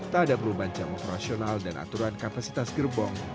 tak ada perubahan jam operasional dan aturan kapasitas gerbong